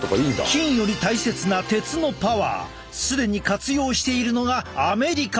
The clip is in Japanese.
金より大切な鉄のパワー既に活用しているのがアメリカ！